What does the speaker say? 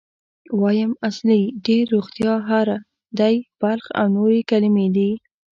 وایم، اصلي، ډېر، روغتیا، هره، دی، بلخ او نورې کلمې دي.